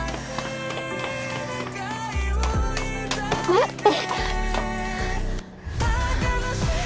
待って！